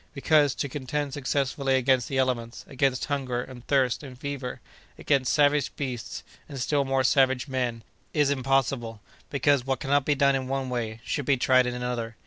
Because, to contend successfully against the elements; against hunger, and thirst, and fever; against savage beasts, and still more savage men, is impossible! Because, what cannot be done in one way, should be tried in another.